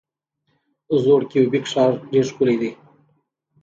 زوړ کیوبیک ښار ډیر ښکلی دی.